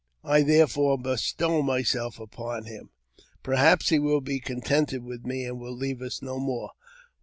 I therefore bestow myself upon him ; perhaps he will be contented with me, and will leave us no more.